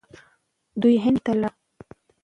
دوی هند ته ولاړل.